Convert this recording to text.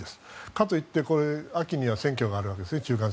かといって秋には中間選挙があるわけですね。